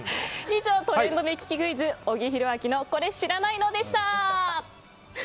以上、トレンド目利きクイズ小木博明のこれ知らないの？でした。